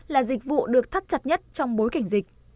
là dịch vụ được thắt chặt nhất trong bối cảnh dịch